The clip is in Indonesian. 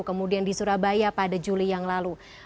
kemudian di surabaya pada juli yang lalu